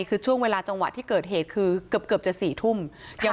คือช่วงเวลาจังหวะที่เกิดเหตุคือเกือบจะ๔ทุ่ม